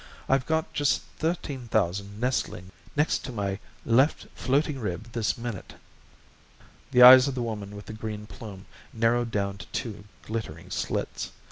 I've got just thirteen thousand nestling next to my left floating rib this minute." The eyes of the woman with the green plume narrowed down to two glittering slits.